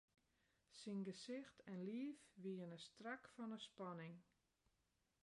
Syn gesicht en liif wiene strak fan 'e spanning.